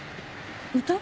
歌？